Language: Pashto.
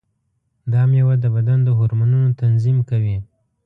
دا مېوه د بدن د هورمونونو تنظیم کوي.